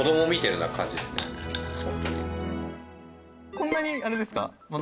こんなにあれですか？